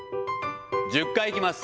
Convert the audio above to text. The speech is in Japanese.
１０回いきます。